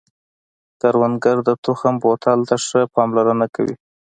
کروندګر د تخم بوتل ته ښه پاملرنه کوي